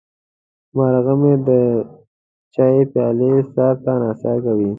مرغه مې د چای پیاله سر ته نڅا کوي.